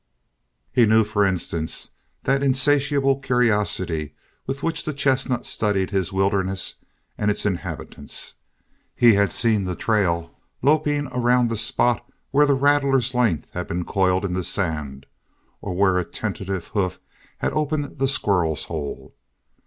He knew, for instance, the insatiable curiosity with which the chestnut studied his wilderness and its inhabitants. He had seen the trail looping around the spot where the rattler's length had been coiled in the sand, or where a tentative hoof had opened the squirrel's hole.